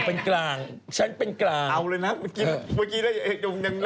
ผมเป็นกลางผมอยู่เป็นกลาง